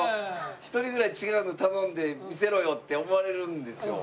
一人ぐらい違うの頼んで見せろよって思われるんですよ。